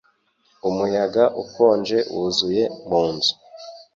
Umuyaga ukonje wuzuye mu nzu.